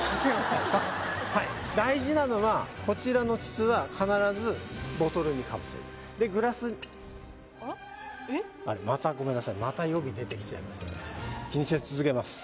大事なのはこちらの筒は必ずボトルにかぶせるでグラスあらまたごめんなさいまた予備出てきちゃいましたね気にせず続けます